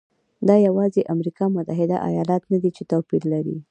دا یوازې امریکا متحده ایالات نه دی چې توپیر لري.